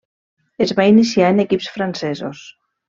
Es va iniciar en equips francesos.